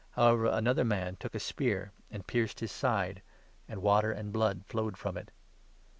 [However another man took a spear, and pierced his side ; and water and blood flowed from it.